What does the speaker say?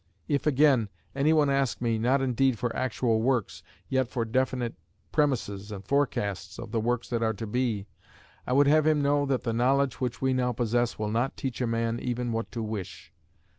If, again, any one ask me, not indeed for actual works, yet for definite premises and forecasts of the works that are to be, I would have him know that the knowledge which we now possess will not teach a man even what to wish.